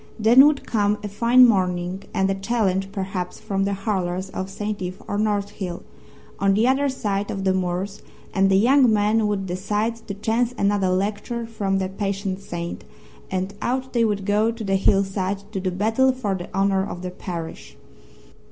Then would come a fine morning, and a challenge perhaps from the Hurlers of St. Ive or North Hill, on the other side of the moors, and the young men would decide to chance another lecture from the patient saint, and out they would go to the hillside to do battle for the honour of their parish.